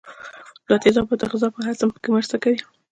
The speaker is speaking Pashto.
دا تیزاب د غذا په هضم کې مرسته کوي.